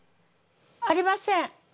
ありません。